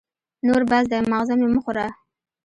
نور بس دی ، ماغزه مي مه خوره !